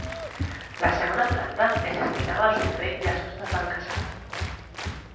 La segona planta es destinava al servei i als hostes del casal.